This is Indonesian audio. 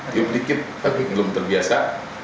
tium sedikit tapi belum terbiasa